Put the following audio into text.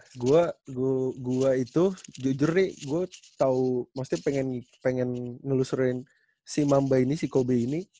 karena gue itu jujur nih gue tau maksudnya pengen nelusurin si mamba ini si kobe ini